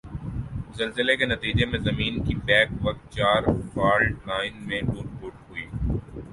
زلزلی کی نتیجی میں زمین کی بیک وقت چار فالٹ لائنز میں ٹوٹ پھوٹ ہوئی۔